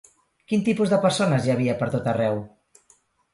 Quin tipus de persones hi havia per tot arreu?